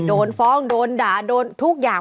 โดนฟ้องโดนด่าโดนทุกอย่าง